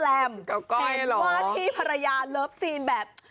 ว่าที่ภรรยาเลิฟซีนแบบ